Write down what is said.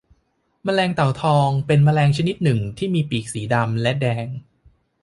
แมลงเต่าทองเป็นแมลงชนิดหนึ่งที่มีปีกสีดำและแดง